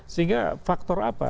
sehingga faktor apa